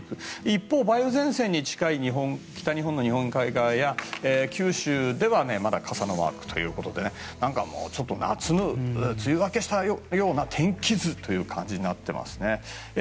一方、梅雨前線に近い北日本の日本海側や九州ではまだ傘のマークということで何か、もう梅雨明けしたような天気図という感じになっていますね。